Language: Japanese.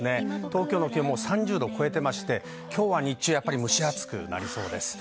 東京の気温も３０度を超えて今日は日中、蒸し暑くなりそうです。